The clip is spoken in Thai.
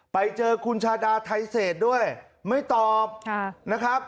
ไปเจอคุณชาดาไทเศษด้วยไม่ตอบนะครับ